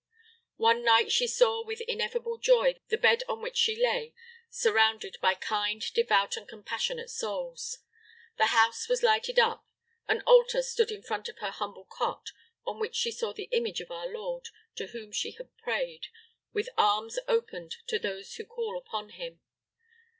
One night she saw with ineffable joy the bed on which she lay surrounded by kind, devout, and compassionate souls; the house was lighted up; an altar stood in front of her humble cot, on which she saw the image of our Lord, to whom she had prayed, with arms opened to those who call upon Him.